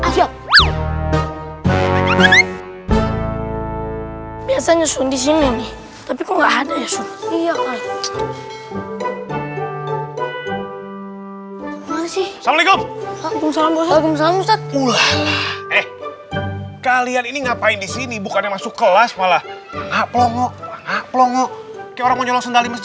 lihat tuh haikra asin pengen kesini sob